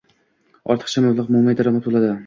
ortiqcha mablag‘i mo‘may daromad bo‘ladi.